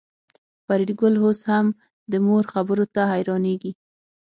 فریدګل اوس هم د مور خبرو ته حیرانېږي